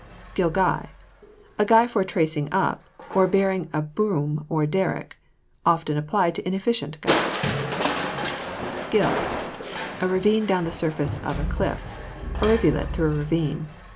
GILGUY. A guy for tracing up, or bearing a boom or derrick. Often applied to inefficient guys. GILL. A ravine down the surface of a cliff; a rivulet through a ravine.